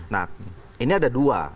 nah ini ada dua